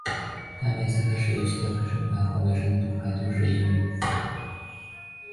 但也有每次开始游戏时的开场白和尾声的读白都是只有英语语音。